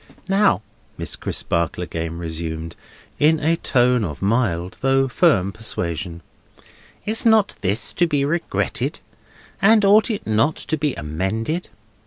"Now," Mr. Crisparkle again resumed, in a tone of mild though firm persuasion, "is not this to be regretted, and ought it not to be amended?